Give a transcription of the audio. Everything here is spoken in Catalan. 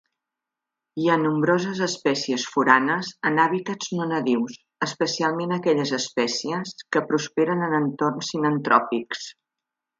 Hi ha nombroses espècies foranes en hàbitats no nadius, especialment aquelles espècies que prosperen en entorns sinantròpics.